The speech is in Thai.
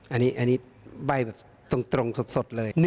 อันนี้ใบแบบตรงสดเลย